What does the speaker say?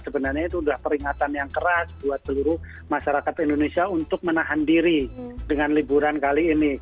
sebenarnya itu sudah peringatan yang keras buat seluruh masyarakat indonesia untuk menahan diri dengan liburan kali ini